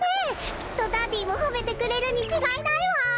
きっとダディもほめてくれるにちがいないわ。